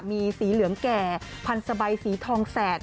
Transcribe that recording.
มีสีเหลืองแก่พันธใบสีทองแสด